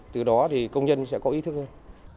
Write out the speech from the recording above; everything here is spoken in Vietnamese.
từ đó công nhân sẽ có ý thức hơn